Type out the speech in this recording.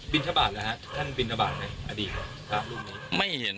บิณฑบาตรหรือนะท่านบิณฑบาตไหมอดีต